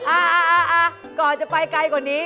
อ่าก่อนจะไปไกลกว่านี้